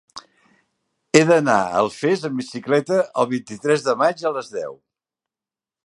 He d'anar a Alfés amb bicicleta el vint-i-tres de maig a les deu.